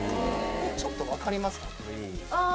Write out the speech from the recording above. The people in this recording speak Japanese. ちょっと分かりますかね？